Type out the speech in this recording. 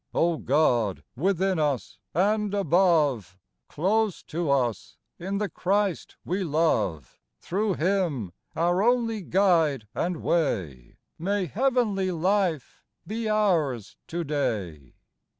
O God, within us and above, Close to us in the Christ we love, Through Him, our only Guide and Way, May heavenly life be ours to day